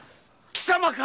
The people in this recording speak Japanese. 貴様か‼